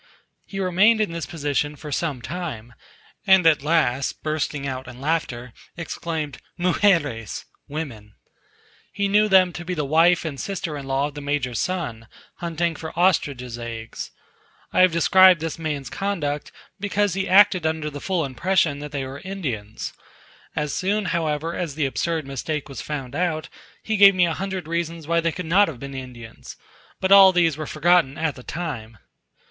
He remained in this position for some time, and at last, bursting out in laughter, exclaimed, "Mugeres!" (women!). He knew them to be the wife and sister in law of the major's son, hunting for ostrich's eggs. I have described this man's conduct, because he acted under the full impression that they were Indians. As soon, however, as the absurd mistake was found out, he gave me a hundred reasons why they could not have been Indians; but all these were forgotten at the time.